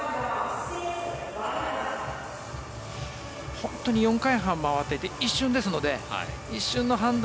本当に４回半回っていて一瞬ですので一瞬の判断